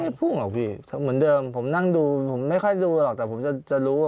พุ่งหรอกพี่เหมือนเดิมผมนั่งดูผมไม่ค่อยดูหรอกแต่ผมจะจะรู้ว่า